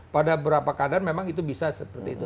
pada berapa keadaan memang itu bisa seperti itu